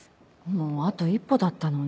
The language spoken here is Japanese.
もうあと一歩だったのに。